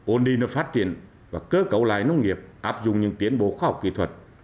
ôn đi nó phát triển và cơ cấu lại nông nghiệp áp dụng những tiến bố khoa học kỹ thuật